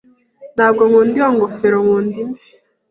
Ntabwo nkunda iyi ngofero. Nkunda imvi.